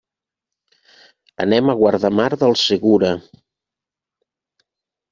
Anem a Guardamar del Segura.